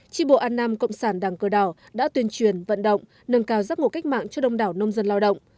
tri bộ an nam cộng sản đảng cờ đỏ đã tuyên truyền vận động nâng cao giác ngộ cách mạng cho đông đảo nông dân lao động